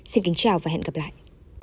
xin kính chào và hẹn gặp lại